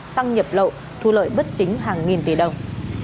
xăng nhập lậu thu lợi bất chính hàng nghìn tỷ đồng